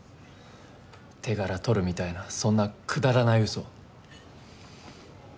手柄取るみたいなそんなくだらない嘘。